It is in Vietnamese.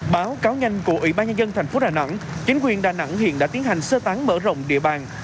báo cáo nhanh của ủy ban nhân dân thành phố đà nẵng chính quyền đà nẵng hiện đã tiến hành sơ tán mở rộng địa bàn